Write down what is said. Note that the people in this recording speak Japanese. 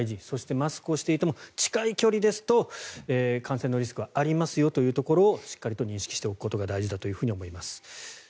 そして、マスクをしていても近い距離ですと感染のリスクはありますよということをしっかりと認識しておくことが大事だと思います。